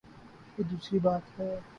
یہ دوسری بات ہے۔